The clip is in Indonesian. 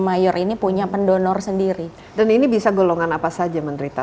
mayor ini punya pendonor sendiri dan ini bisa golongan apa saja menderita